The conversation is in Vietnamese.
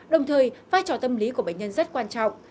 đồng thời vai trò tâm lý của bệnh nhân rất quan trọng